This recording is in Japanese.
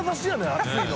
熱いの。